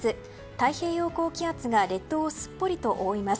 太平洋高気圧が列島をすっぽりと覆います。